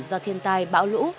do thiên tai bão lũ